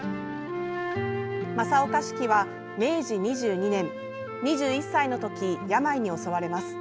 正岡子規は、明治２２年２１歳のとき病に襲われます。